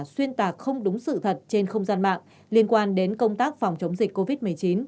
xuyên tạc không đúng sự thật trên không gian mạng liên quan đến công tác phòng chống dịch covid một mươi chín